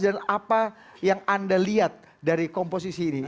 dan apa yang anda lihat dari komposisi ini